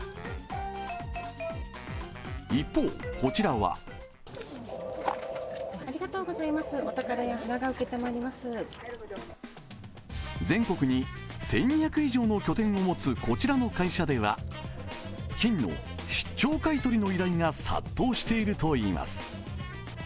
一方、こちらは全国に１２００以上の拠点を持つこちらの会社では金の出張買い取りの依頼が殺到しているといいます。